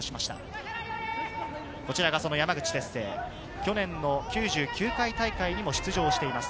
去年９９回大会にも出場しています。